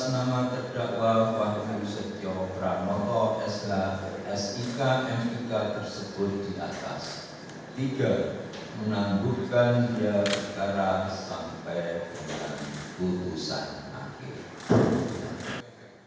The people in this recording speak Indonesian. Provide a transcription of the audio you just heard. tiga menanggurkan dia sekarang sampai keputusan akhir